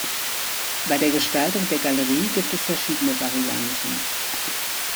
Bei der Gestaltung der Galerie gibt es verschiedene Varianten.